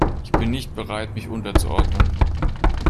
Ich bin nicht bereit, mich unterzuordnen.